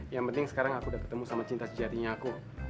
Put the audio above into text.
yang penting sekarang aku udah ketemu sama cinta sejatinya aku